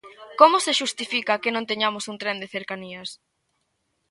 ¿Como se xustifica que non teñamos un tren de cercanías?